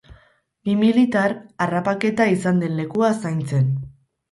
Bi militar, harrapaketa izan den lekua zaintzen.